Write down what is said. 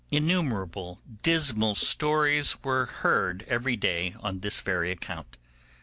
Innumerable dismal stories we heard every day on this very account.